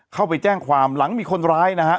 เข้าไปแจ้งความหลังมีคนร้ายนะฮะ